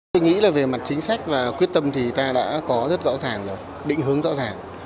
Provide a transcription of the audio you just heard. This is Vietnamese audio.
tôi nghĩ là về mặt chính sách và quyết tâm thì ta đã có rất rõ ràng rồi định hướng rõ ràng